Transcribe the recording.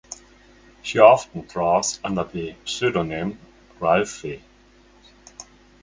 She often draws under the pseudonym Ralphi.